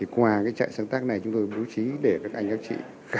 qua trại sáng tác này chúng tôi bố trí để các anh các chị